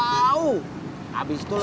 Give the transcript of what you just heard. habis tuh udah baru barangaria